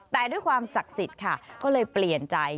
แต่ด้วยความศักดิ์สิทธิ์ค่ะก็เลยเปลี่ยนใจ